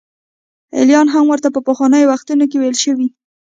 ایلیا هم ورته په پخوانیو وختونو کې ویل شوي.